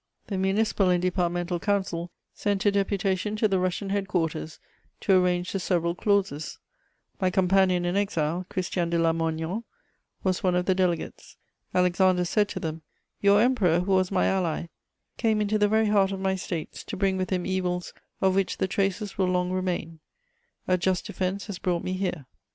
The Municipal and Departmental Council sent a deputation to the Russian head quarters to arrange the several clauses: my companion in exile, Christian de Lamoignon, was one of the delegates. Alexander said to them: "Your Emperor, who was my ally, came into the very heart of my States to bring with him evils of which the traces will long remain: a just defense has brought me here.